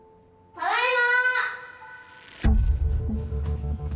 ・ただいま！